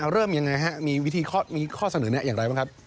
เริ่มยังไงฮะมีวิธีมีข้อเสนอแนะอย่างไรบ้างครับ